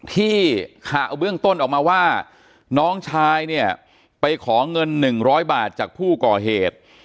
ที่ข่าวเบื้องต้นออกมาว่าน้องชายเนี่ยไปขอเงิน๑๐๐บาทจากผู้ก่อเหตุ